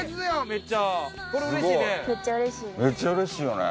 めっちゃうれしいよね。